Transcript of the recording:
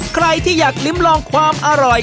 ใครที่อยากลิ้มลองความอร่อย